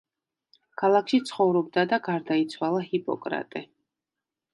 ქალაქში ცხოვრობდა და გარდაიცვალა ჰიპოკრატე.